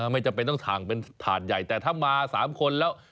ไม่จำเป็นต้องถ่างเป็นถาดใหญ่แต่ถ้ามา๓คนแล้ว